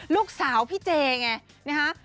ลูกสาวพี่เจไงนะฮะ